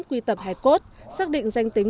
quy tập hải cốt xác định danh tính